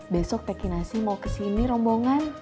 besok teh kinasi mau kesini rombongan